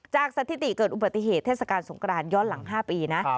สถิติเกิดอุบัติเหตุเทศกาลสงครานย้อนหลัง๕ปีนะ